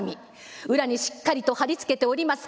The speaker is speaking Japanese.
裏にしっかりと貼り付けております